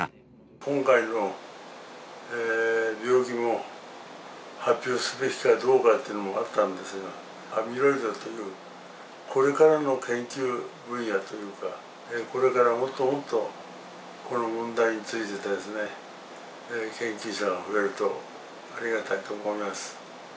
今回の病気も発表すべきかどうかっていうのもあったんですが、アミロイドという、これからの研究分野というか、これからもっともっとこの問題について、研究者が増えるとありがたいと思います。